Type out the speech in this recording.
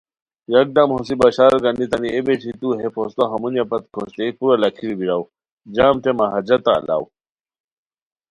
یکدم ہوسی بشار گانیتائے اے بیچی تو ہے پھوستو ہمونیہ پت کھوشتئے کورا لاکھیرو بیراؤ جم ٹیمہ حاجتہ الاؤ